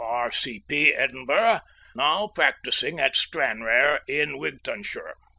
R.C.P. Edin., now practising at Stranraer, in Wigtownshire.